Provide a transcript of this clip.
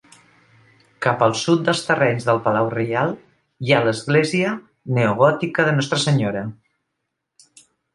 Cap al sud dels terrenys del Palau Reial, hi ha l'església neogòtica de Nostra Senyora.